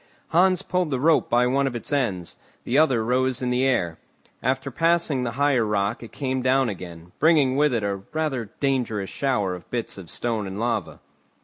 Hans pulled the rope by one of its ends, the other rose in the air; after passing the higher rock it came down again, bringing with it a rather dangerous shower of bits of stone and lava.